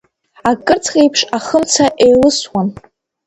Акырцх еиԥш ахымца еилысуан.